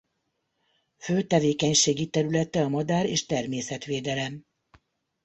Fő tevékenységi területe a madár- és természetvédelem.